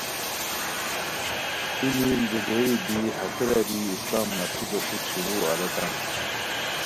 ای میل دُودیری بی ہتیرہ بی اسپہ مڅھی دوسیک شروع اریتام